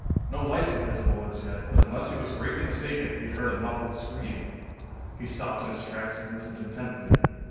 No lights were visible as yet, but unless he was greatly mistaken he had heard a muffled scream. He stopped in his tracks and listened intently.